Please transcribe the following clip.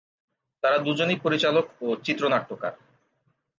তার দুজনেই পরিচালক ও চিত্রনাট্যকার।